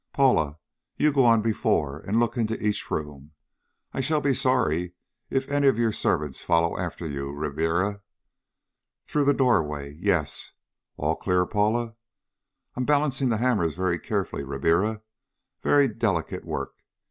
Paula, you go on before and look into each room. I shall be sorry if any of your servants follow after you, Ribiera.... Through the doorway. Yes! All clear, Paula? I'm balancing the hammers very carefully, Ribiera. Very delicate work.